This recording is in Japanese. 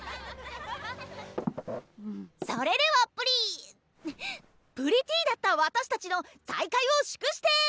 それではプリプリティーだった私たちの再会を祝して！